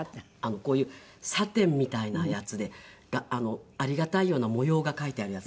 こういうサテンみたいなやつでありがたいような模様が描いてあるやつ。